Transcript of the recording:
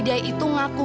si aida itu ngaku